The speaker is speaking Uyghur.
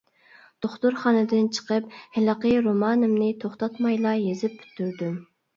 دوختۇرخانىدىن چىقىپ، ھېلىقى رومانىمنى توختاتمايلا يېزىپ پۈتتۈردۈم.